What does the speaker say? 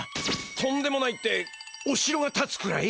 とんでもないっておしろがたつくらい？